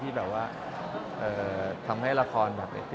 ที่แบบว่าเออทำให้ละครเข้ายังดี